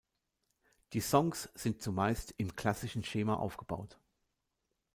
Die Songs sind zumeist im klassischen Schema aufgebaut.